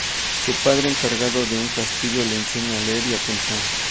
Su padre, encargado de un castillo, le enseña a leer y a contar.